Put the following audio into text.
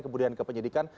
kemudian ke penyelidikan